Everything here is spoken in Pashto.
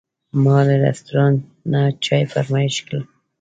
ما له رستورانت نه چای فرمایش کړ.